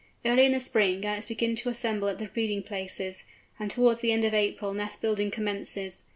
Early in the spring Gannets begin to assemble at the breeding places, and towards the end of April nest building commences.